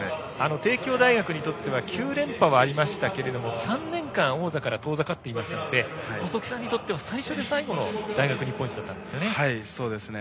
帝京大学にとっては９連覇はありましたが３年間王座から遠ざかっていましたので細木さんにとっては最初で最後の大学日本一だったんですよね。はい、そうですね。